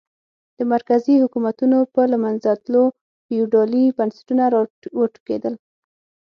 د مرکزي حکومتونو په له منځه تلو فیوډالي بنسټونه را وټوکېدل.